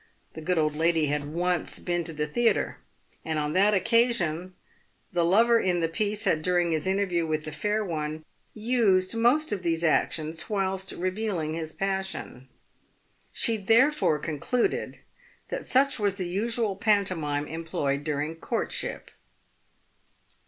The good old lady had once been to the theatre, and" on that occasion the lover in the piece had during his interview with the fair one used most of these actions whilst revealing his passion. She therefore concluded that such was the usual pantomime employed during courtship.